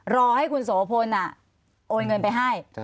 รอให้คุณโสพลโอนเงินไปให้